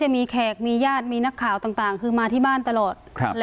มีแขกมีญาติมีนักข่าวต่างคือมาที่บ้านตลอด